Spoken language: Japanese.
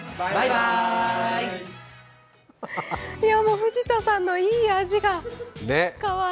藤田さんのいい味が、かわいい。